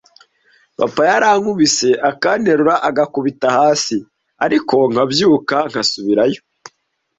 papa yarankubise akanterura agakubita hasi ariko nkabyuka nkasubirayo,